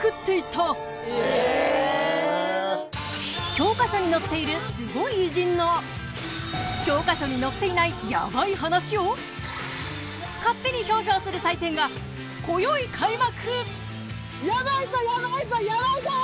［教科書に載っているスゴい偉人の教科書に載っていないヤバい話を勝手に表彰する祭典がこよい開幕］